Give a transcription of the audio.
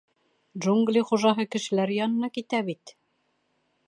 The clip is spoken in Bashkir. — Джунгли Хужаһы кешеләр янына китә бит!